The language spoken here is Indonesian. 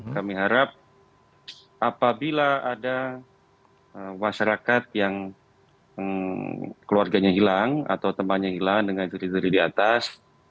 kami harap apabila ada masyarakat yang keluarganya hilang atau temannya hilang dengan ciri ciri di atas